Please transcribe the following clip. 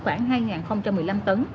khoảng hai một mươi năm tấn